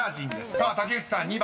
［さあ竹内さん２番］